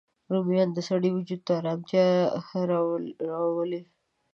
رومیان د سړی وجود ته ارامتیا راولي